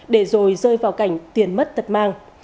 để rồi rơi vào cảnh tiền mất tật mang